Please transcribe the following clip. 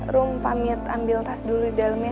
rum pamit ambil tas dulu di dalam ya